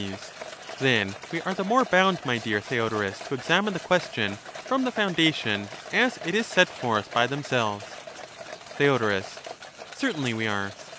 Soc, Then we are the more bound, my dear Theodorus, to '^f'* examine the question from the foundation as it is set forth by Heracidtus themselves. wage a Theod, Certainly we are.